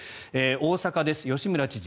大阪です、吉村知事。